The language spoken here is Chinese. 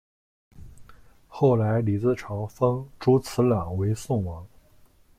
后来李自成封朱慈烺为宋王。